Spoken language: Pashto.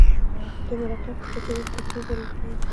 د مرکب ټوټه کیدل تفکیک بلل کیږي.